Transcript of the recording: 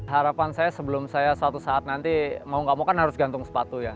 harapan saya sebelum saya suatu saat nanti mau gak mau kan harus gantung sepatu ya